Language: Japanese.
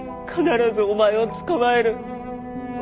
必ずお前を捕まえる。